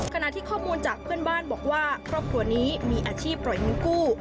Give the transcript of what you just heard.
ขณะที่ข้อมูลจากเพื่อนบ้านบอกว่าครอบครัวนี้มีอาชีพปล่อยเงินกู้